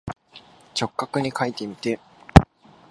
直角にかいてみて。